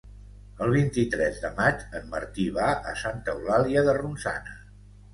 El vint-i-tres de maig en Martí va a Santa Eulàlia de Ronçana.